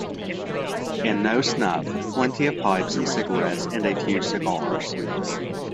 And no snuff — plenty of pipes and cigarettes, and a few cigars.